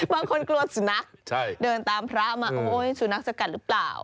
กลัวสุนัขเดินตามพระมาโอ้ยสุนัขสกัดหรือเปล่า